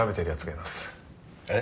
えっ？